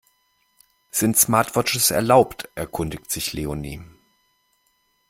Sind Smartwatches erlaubt, erkundigt sich Leonie.